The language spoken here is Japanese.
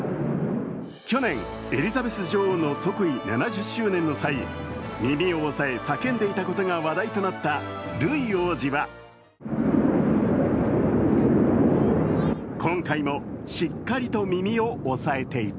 去年、エリザベス女王の即位７０周年の際耳を押さえ、叫んでいたことが話題となったルイ王子は今回もしっかりと耳を押さえていた。